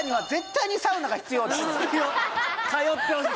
必要通ってほしい